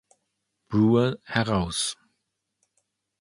Brouwer heraus.